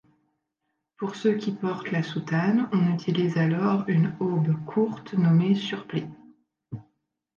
Pour ceux qui portent la soutane, on utilise alors une aube courte nommée surplis.